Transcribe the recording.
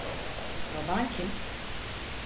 Baban kim?